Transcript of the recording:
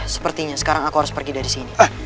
sepertinya sekarang aku harus pergi dari sini